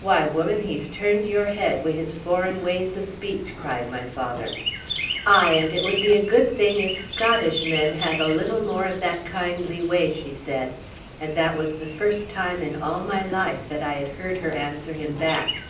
"Why, woman, he's turned your head wi' his foreign ways of speech!" cried my father. "Aye, and it would be a good thing if Scottish men had a little more of that kindly way," she said, and that was the first time in all my life that I had heard her answer him back.